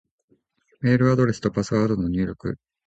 メールアドレスとパスワードの入力